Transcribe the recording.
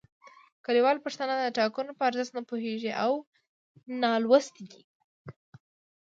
کلیوال پښتانه د ټاکنو په ارزښت نه پوهیږي او نالوستي دي